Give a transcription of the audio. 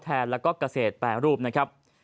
ท็ดแทนและก็เกษตรแปรรูปนะครับ